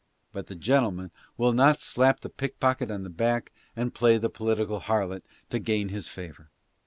But the gentleman will not slap the pick pocket on the back and play the political harlot to gain his favor.